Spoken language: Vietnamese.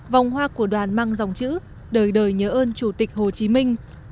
vòng hoa của đoàn mang dòng chữ đời đời nhớ ơn chủ tịch hồ chí minh